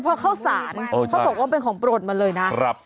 เป็นของโปรดมันเลยนะ